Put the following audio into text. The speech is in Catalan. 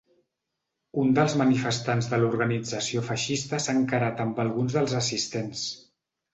Un dels manifestants de l’organització feixista s’ha encarat amb alguns dels assistents.